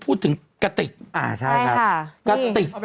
พูดถึงกะติกค่ะค่ะเอาแบบไหนไหมครับ